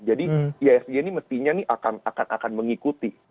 jadi iasg ini mestinya akan mengikuti